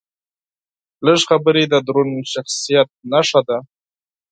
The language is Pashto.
کمې خبرې، د دروند شخصیت نښه ده.